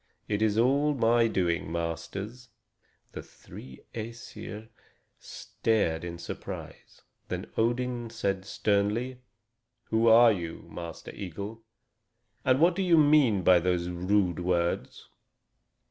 It is all my doing, masters." The three Æsir stared in surprise. Then Odin said sternly: "Who are you, Master Eagle? And what do you mean by those rude words?"